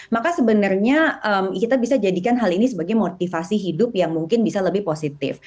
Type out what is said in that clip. maka sebenarnya kita bisa jadikan hal ini sebagai motivasi hidup yang mungkin bisa lebih positif